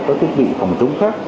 các thiết bị phòng chống khác